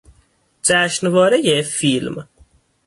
جشنوارهی فیلم